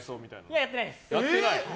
やってないです。